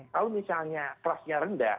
kalau misalnya trustnya rendah